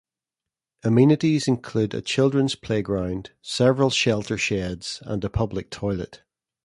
Amenities include a children's playground, several shelter sheds, and a public toilet.